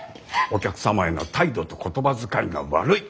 お客様への態度と言葉遣いが悪い。